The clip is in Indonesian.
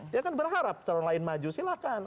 dia kan berharap calon lain maju silahkan